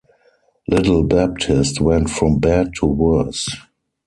Little Baptiste went from bad to worse.